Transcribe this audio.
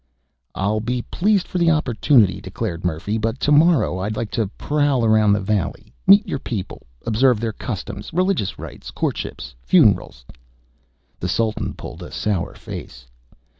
"I'll be pleased for the opportunity," declared Murphy. "But tomorrow I'd like to prowl around the valley, meet your people, observe their customs, religious rites, courtships, funerals ..." The Sultan pulled a sour face.